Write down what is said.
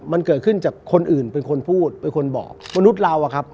มันเกิดขึ้นจากคนอื่นเป็นคนพูดเป็นคนบอกมนุษย์เราอะครับ